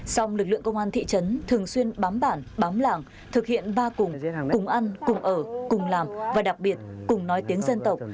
song lực lượng công an thị trấn thường xuyên bám bản bám làng thực hiện ba cùng cùng ăn cùng ở cùng làm và đặc biệt cùng nói tiếng dân tộc